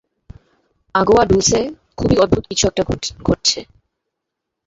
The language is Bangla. আগুয়া ডুলসে-তে খুবই অদ্ভুত কিছু একটা ঘটছে।